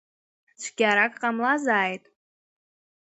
Цәгьарак ҟамлазааит…